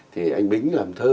thì anh bính làm thơ